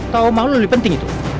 tau omah lo lebih penting itu